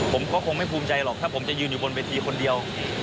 ผมก็คงไม่ภูมิใจหรอกถ้าผมจะยืนอยู่บนเวทีคนเดียว